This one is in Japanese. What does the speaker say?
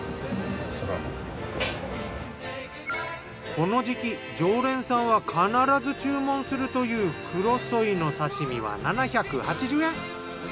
この時期常連さんは必ず注文するという黒ソイの刺身は７８０円。